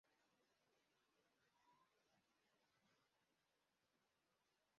ngo mpamagare auncle… nkiyifungura mbona nimero ntazi irahamagara